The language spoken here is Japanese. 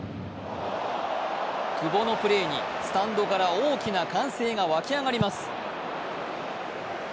久保のプレーにスタンドから大きな歓声が沸き上がります。